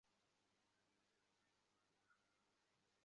কারণ, লিখিত ফলাফল প্রকাশিত হওয়ার অল্প সময়ের মধ্যে ভাইভা শুরু হয়ে যায়।